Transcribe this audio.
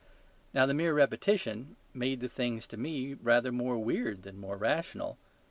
Now, the mere repetition made the things to me rather more weird than more rational.